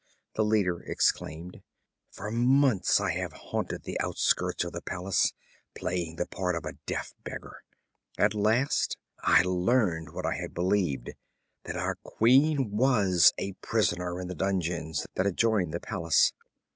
the speaker exclaimed. 'For months I have haunted the outskirts of the palace, playing the part of a deaf beggar. At last I learned what I had believed that our queen was a prisoner in the dungeons that adjoin the palace.